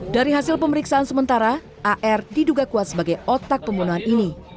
dari hasil pemeriksaan sementara ar diduga kuat sebagai otak pembunuhan ini